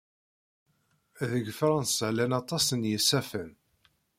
Deg Fṛansa llan aṭas n yisafen.